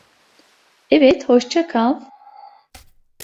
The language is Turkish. Evet, hoşça kal.